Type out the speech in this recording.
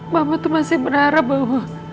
mama tuh masih berharap bahwa